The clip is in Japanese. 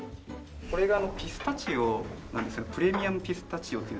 これがピスタチオなんですけどプレミアムピスタチオという。